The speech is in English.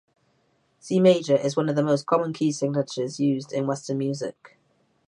C major is one of the most common key signatures used in western music.